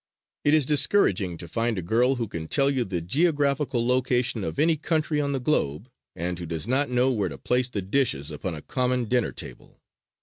It is discouraging to find a girl who can tell you the geographical location of any country on the globe and who does not know where to place the dishes upon a common dinner table.